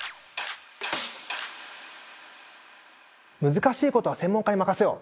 難しいことは専門家に任せよう！